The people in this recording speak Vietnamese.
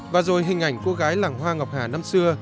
và rồi hình ảnh cô gái làng hoa ngọc hà năm xưa